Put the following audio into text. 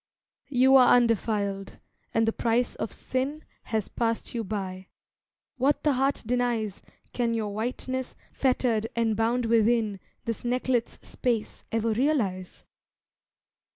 You are undefiled, and the price of sin Has passed you by, what the heart denies Can your whiteness, fettered and bound within This necklet's space, ever realise?